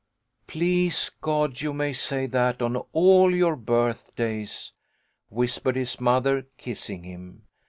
" Please God you may say that on all your birth days," whispered his mother, kissing him.